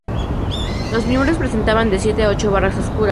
Los miembros presentan de siete a ocho barras oscuras.